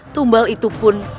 tumbal itu pun